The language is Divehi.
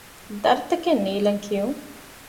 ދަރުތަކެއް ނީލަން ކިޔުން